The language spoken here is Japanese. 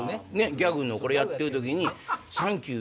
ギャグのこれやってる時に。